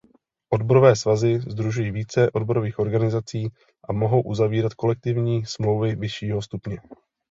Odborové svazy sdružují více odborových organizací a mohou uzavírat kolektivní smlouvy vyššího stupně.